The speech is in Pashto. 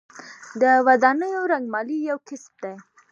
د ودانیو رنګمالي یو کسب دی